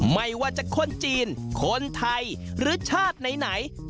ไม่ว่าจะคนจีนคนไทยหรือชาติไหน